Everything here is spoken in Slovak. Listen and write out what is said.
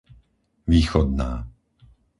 Východná